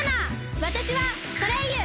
わたしはソレイユ！